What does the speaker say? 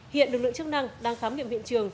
hiện lực lượng chức năng đang khám nghiệm hiện trường